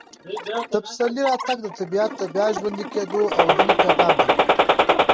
د پسرلي راتګ د طبیعت د بیا ژوندي کېدو او هیلې پیغام دی.